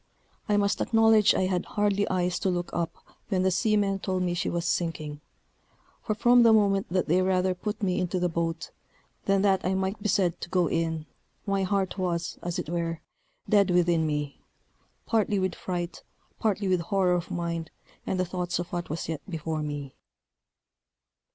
I must acknowledge I had hardly eyes to look up when the seamen told me she was sinking; for from the moment that they rather put me into the boat, than that I might be said to go in, my heart was, as it were, dead within me, partly with fright, partly with horror of mind, and the thoughts of what was yet before me.